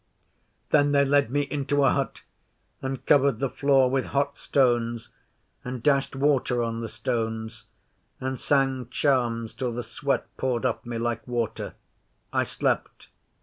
Then they led me into a hut and covered the floor with hot stones and dashed water on the stones, and sang charms till the sweat poured off me like water. I slept.